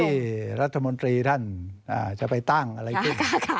ที่รัฐมนตรีท่านจะไปตั้งอะไรขึ้น